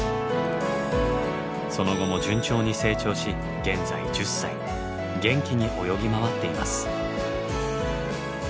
その後も順調に成長し元気に泳ぎ回っています。